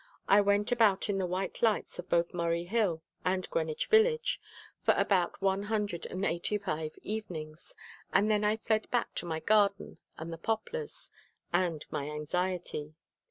I went about in the white lights of both Murray Hill and Greenwich Village for about one hundred and eighty five evenings, and then I fled back to my garden and the poplars and my anxiety.